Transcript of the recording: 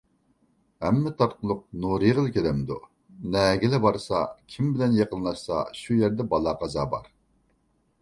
ھەممە تارتقۇلۇق نۇرىغىلا كېلەمدۇ، نەگىلا بارسا، كىم بىلەن يېقىنلاشسا شۇ يەردە بالا-قازا بار،